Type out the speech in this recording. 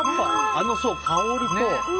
あの香りと。